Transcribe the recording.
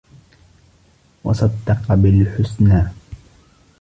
وصدق بالحسنى